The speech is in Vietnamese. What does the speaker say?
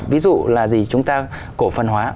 ví dụ là gì chúng ta cổ phần hóa